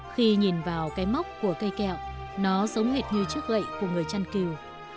khi nhìn vào cái móc của cây kẹo nó giống hệt như chiếc gậy của người chăn cừu